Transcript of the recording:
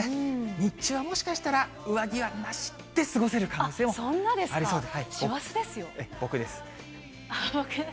日中はもしかしたら上着はなしで過ごせる可能性もありそうです。